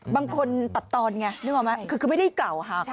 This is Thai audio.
บางคนตัดตอนนึกออกไหมคือไม่ได้เก่า